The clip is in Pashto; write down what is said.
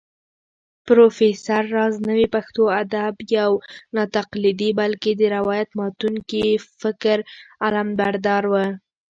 پروفېسر راز نوې پښتو ادب يو ناتقليدي بلکې د روايت ماتونکي فکر علمبردار و